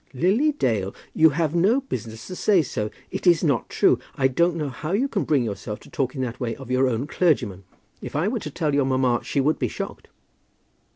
"Lily Dale, you have no business to say so. It is not true. I don't know how you can bring yourself to talk in that way of your own clergyman. If I were to tell your mamma she would be shocked."